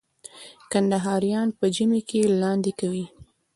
کندهاریان په ژمي کي لاندی کوي.